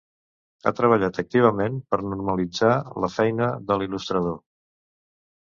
Ha treballat activament per normalitzat la feina de l'il·lustrador.